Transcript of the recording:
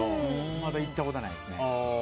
まだ行ったことはないですね。